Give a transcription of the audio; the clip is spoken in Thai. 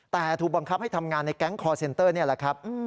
แต่ถูกบังคับให้ทำงานในแก๊งคอร์เซ็นเตอร์นี่แหละครับ